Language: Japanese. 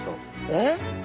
えっ？